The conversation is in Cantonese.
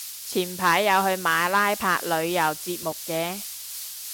前排有去馬拉拍旅遊節目嘅